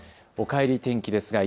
おかえり天気です。